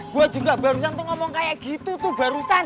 gue juga barusan tuh ngomong kayak gitu tuh barusan